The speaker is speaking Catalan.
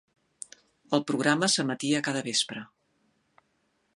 El programa s'emetia cada vespre.